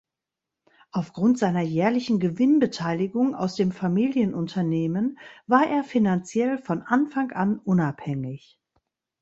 Aufgrund seiner jährlichen Gewinnbeteiligung aus dem Familienunternehmen war er finanziell von Anfang an unabhängig.